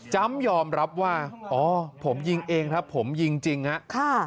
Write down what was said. จ้ำยอมรับว่าอ๋อวผมยิงเองครับผมยิงจริงนะ